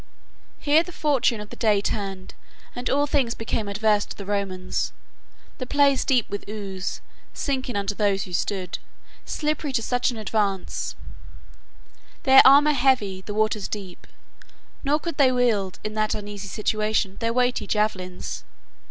"Here the fortune of the day turned, and all things became adverse to the Romans; the place deep with ooze, sinking under those who stood, slippery to such as advanced; their armor heavy, the waters deep; nor could they wield, in that uneasy situation, their weighty javelins.